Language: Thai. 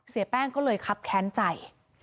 เสียแป้งก็เลยคับแค้นใจ